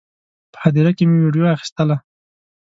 په هدیره کې مې ویډیو اخیستله.